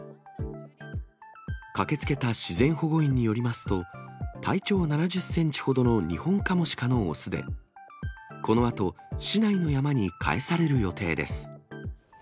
駆けつけた自然保護員によりますと、体長７０センチほどのニホンカモシカの雄で、このあと市内の山に返される予定です。